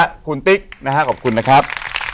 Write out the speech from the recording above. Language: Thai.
ขอบคุณติ๊กนะฮะขอบคุณนะครับ